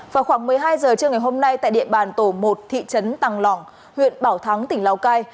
vào khoảng một mươi hai giờ trước ngày hôm nay tại địa bàn tổ một thị trấn tăng lỏng huyện bảo thắng tỉnh lào cai